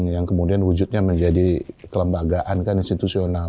yang kemudian wujudnya menjadi kelembagaan kan institusional